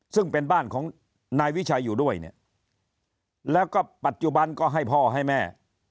ซึ่งเป็นบ้านของนายวิชัยอยู่ด้วยเนี่ยแล้วก็ปัจจุบันก็ให้พ่อให้แม่